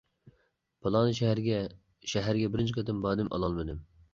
پالانى شەھەرگە شەھەرگە بىرىنچى قېتىم باردىم ئالالمىدىم.